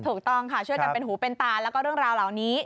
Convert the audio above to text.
ถูกต้องค่ะช่วยกันเป็นหูเป็นตาแล้วก็เรื่องราวเหล่านี้